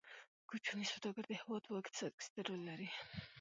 کوچني سوداګر د هیواد په اقتصاد کې ستر رول لري.